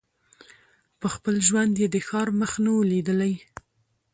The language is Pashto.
په خپل ژوند یې د ښار مخ نه وو لیدلی